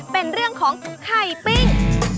เป็นเรื่องของไข่ปิ้ง